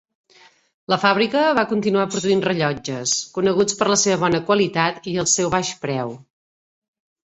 La fàbrica va continuar produint rellotges, coneguts per la seva bona qualitat i els seu baix preu.